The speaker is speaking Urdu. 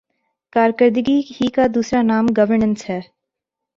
کارکردگی ہی کا دوسرا نام گورننس ہے۔